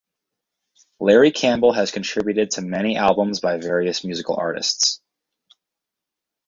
Larry Campbell has contributed to many albums by various musical artists.